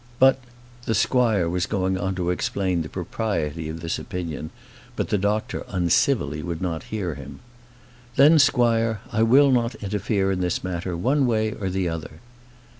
But " The squire was going on to explain the propriety of this opinion, but the doctor uncivilly would not hear him. "Then squire, I will not interfere in this matter one way or the other."